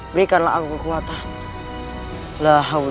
berikanlah aku kekuatan